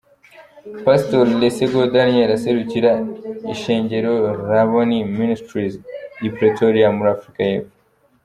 Pastori Lesego Daniel aserukira ishengero Rabboni Ministries i Pretoria muri Afrika y'epfo.